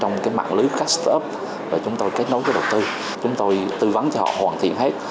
với mạng lưới các start up và chúng tôi kết nối với đầu tư chúng tôi tư vấn cho họ hoàn thiện hết